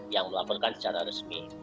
yang melaporkan secara resmi